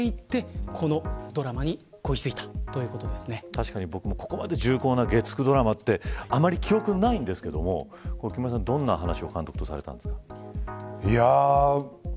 確かに僕もここまで重厚な月９ドラマってあまり記憶にないんですけど木村さん、どんな話を監督とされたんですか。